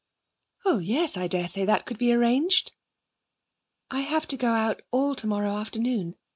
'Oh yes; I dare say that could be arranged.' 'I have to go out all tomorrow afternoon.